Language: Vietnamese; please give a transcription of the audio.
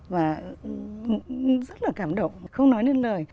và rất là cảm động không nói nên lời